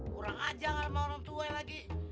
kurang aja gak sama orang tua lagi